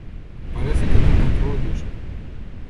Parece que ten catro ollos.